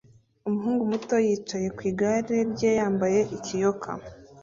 Umuhungu muto yicaye ku igare rye yambaye ikiyoka